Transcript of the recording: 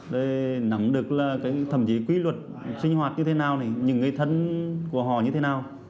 để nắm được là thậm chí quy luật sinh hoạt như thế nào để những người thân của họ như thế nào